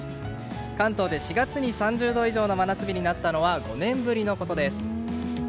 関東で４月に３０度以上の真夏日になったのは５年ぶりのことです。